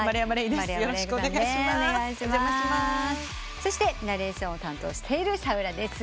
そしてナレーションを担当しているシャウラです。